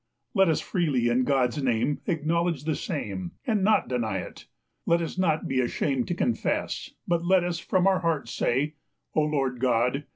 Let us freely in God's name acknowledge the same, and not deny it; let us not be ashamed to confess, but let us from our hearts say, "O Lord God!